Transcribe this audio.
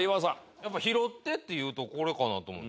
やっぱ拾ってって言うとこれかなと思う。